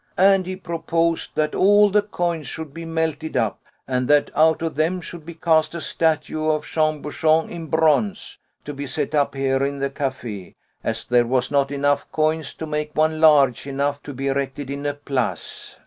And he proposed that all the coins should be melted up, and that out of them should be cast a statue of Jean Bouchon in bronze, to be set up here in the café, as there were not enough coins to make one large enough to be erected in a Place.